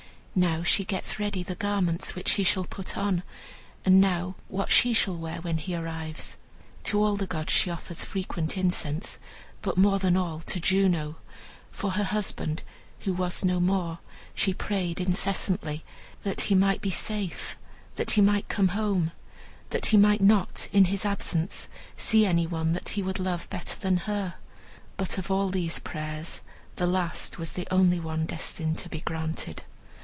Now she gets ready the garments which he shall put on, and now what she shall wear when he arrives. To all the gods she offers frequent incense, but more than all to Juno. For her husband, who was no more, she prayed incessantly: that he might be safe; that he might come home; that he might not, in his absence, see any one that he would love better than her. But of all these prayers, the last was the only one destined to be granted.